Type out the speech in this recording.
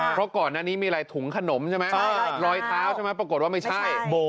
เพราะก่อนอันนี้มีอะไรถุงขนมใช่ไหมรอยเท้าใช่ไหมปรากฏว่าไม่ใช่